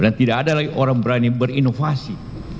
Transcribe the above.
dan tidak ada lagi orang berani berinovasi